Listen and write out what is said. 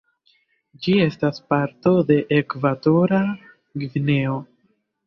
Ĝi estas parto de Ekvatora Gvineo.